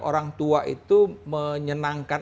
orang tua itu menyenangkan